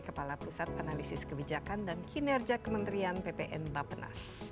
kepala pusat analisis kebijakan dan kinerja kementerian ppn bapenas